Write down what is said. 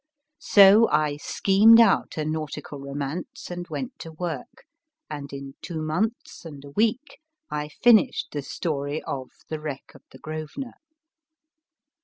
So I schemed out a nautical romance and went to work, and in two months and a week I finished the story of The Wreck of the " Grosvenor."